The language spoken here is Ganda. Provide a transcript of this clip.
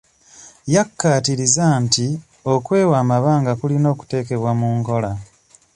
Yakkaatirizza nti okwewa amabanga kulina okuteekebwa mu nkola.